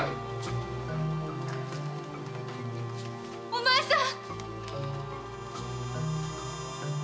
お前さん！